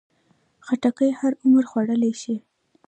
خټکی هر عمر خوړلی شي.